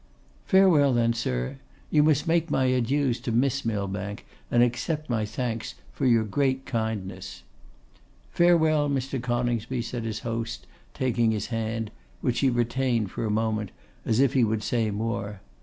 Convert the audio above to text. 'Farewell, then, sir. You must make my adieux to Miss Millbank, and accept my thanks for your great kindness.' 'Farewell, Mr. Coningsby,' said his host, taking his hand, which he retained for a moment, as if he would say more.